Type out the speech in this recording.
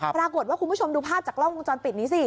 ปรากฏว่าคุณผู้ชมดูภาพจากล่องวงจรปิดนี้สิ